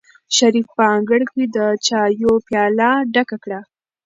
شریف په انګړ کې د چایو پیاله ډکه کړه.